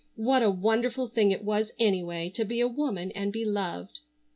What a wonderful thing it was anyway to be a woman and be loved!